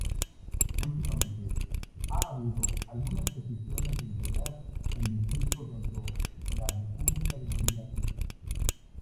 Últimamente ha habido algunas peticiones de integrar el distrito dentro la república de Buriatia.